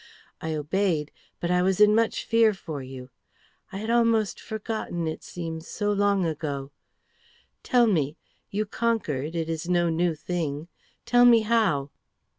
I obeyed, but I was in much fear for you. I had almost forgotten, it seems so long ago. Tell me! You conquered; it is no new thing. Tell me how!"